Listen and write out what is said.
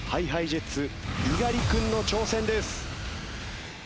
ＨｉＨｉＪｅｔｓ猪狩君の挑戦です。